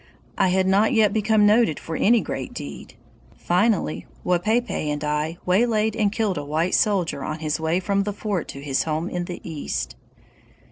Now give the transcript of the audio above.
I had not yet become noted for any great deed. Finally, Wapaypay and I waylaid and killed a white soldier on his way from the fort to his home in the east.